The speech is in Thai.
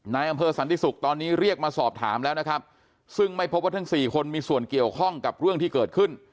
นายอำเภอสันติศุกร์ตอนนี้เรียกมาสอบถามแล้วนะครับซึ่งไม่พบว่าทั้งสี่คนมีส่วนเกี่ยวข้องกับเรื่องที่เกิดขึ้น